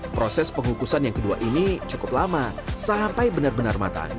proses pengukusan yang kedua ini cukup lama sampai benar benar matang